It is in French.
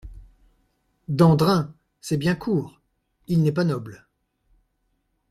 Dandrin… c’est bien court ; il n’est pas noble.